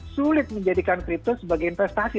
sulit menjadikan kripto sebagai investasi